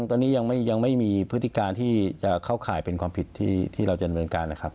ตอนนี้ยังไม่มีพฤติการที่จะเข้าข่ายเป็นความผิดที่เราจะดำเนินการนะครับ